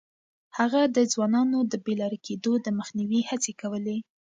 هغه د ځوانانو د بې لارې کېدو د مخنيوي هڅې کولې.